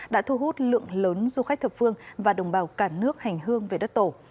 đã thu hút lượng lớn du khách thập phương và đồng bào cả nước hành hương về đất tổ